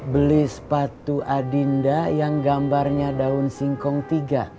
beli sepatu adinda yang gambarnya daun singkong tiga